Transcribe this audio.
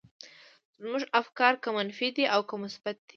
زموږ افکار که منفي دي او که مثبت دي.